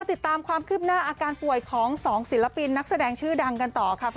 ติดตามความคืบหน้าอาการป่วยของ๒ศิลปินนักแสดงชื่อดังกันต่อค่ะ